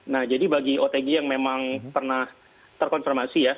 nah jadi bagi otg yang memang pernah terkonfirmasi ya